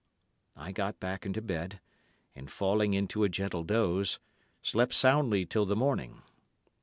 I got back into bed, and, falling into a gentle doze, slept soundly till the morning.